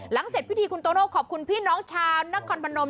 หลังเสร็จพิธีคุณโตโน่ขอบคุณพี่น้องชาวนักคอนประนม